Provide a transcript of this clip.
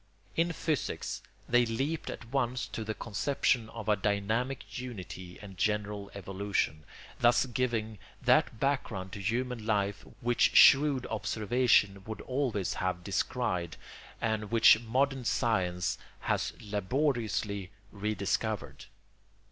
In physics they leaped at once to the conception of a dynamic unity and general evolution, thus giving that background to human life which shrewd observation would always have descried, and which modern science has laboriously rediscovered.